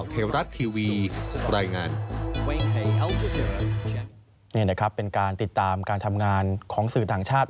นี่นะครับเป็นการติดตามการทำงานของสื่อต่างชาติ